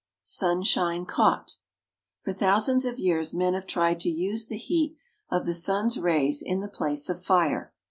SUNSHINE CAUGHT. For thousands of years men have tried to use the heat of the sun's rays in the place of fire.